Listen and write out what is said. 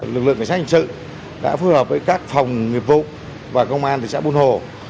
lực lượng cảnh sát hình sự đã phù hợp với các phòng nghiệp vụ và công an thị xã buôn hồ